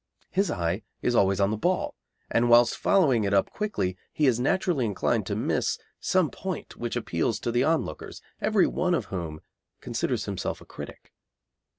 His eye is always on the ball, and whilst following it up quickly he is naturally inclined to miss some point which appeals to the onlookers, every one of whom considers himself a critic.